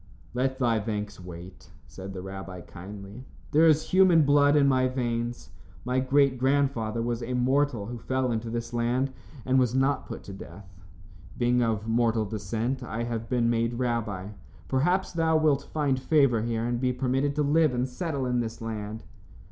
"Let thy thanks wait," said the rabbi, kindly. "There is human blood in my veins. My great grandfather was a mortal who fell into this land and was not put to death. Being of mortal descent, I have been made rabbi. Perhaps thou wilt find favor here and be permitted to live and settle in this land."